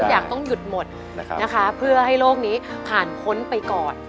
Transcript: อยากต้องหยุดหมดนะคะเพื่อให้โลกนี้ผ่านพ้นไปก่อน